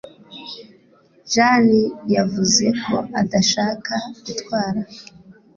jeanne yavuze ko adashaka gutwara